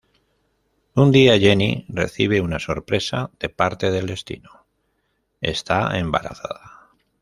Un día, Jenny recibe una sorpresa de parte del destino: está embarazada.